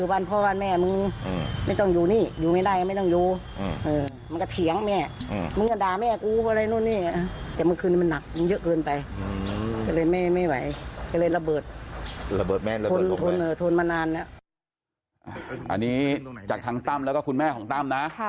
อันนี้จากทางตั้มแล้วก็คุณแม่ของตั้มนะ